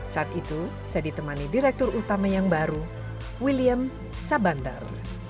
saat itu saya ditemani direktur utama yang baru william sabandar